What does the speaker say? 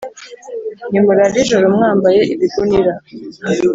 Nimurare ijoro mwambaye ibigunira,